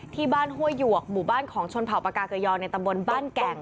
ห้วยหยวกหมู่บ้านของชนเผ่าปากาเกยอในตำบลบ้านแก่ง